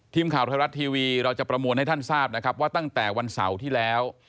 ทีมข่าวไทยรัฐทีวีเราจะประมวลให้ท่านทราบนะครับว่าตั้งแต่วันเสาร์ที่แล้ว